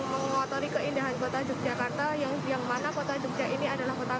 mengotori keindahan kota jogjakarta yang yang mana kota jogja ini adalah kota wisata tidak jarang